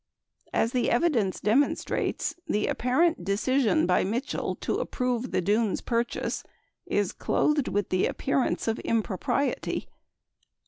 As the evidence demonstrates, the apparent decision by Mitchell to approve the Dunes purchase is clothed with the appearance of impro priety : 1.